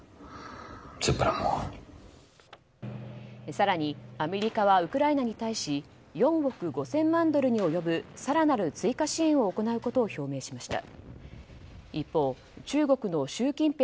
更にアメリカはウクライナに対し４億５０００万ドルに及ぶ更なる追加支援を行うことを表明しました。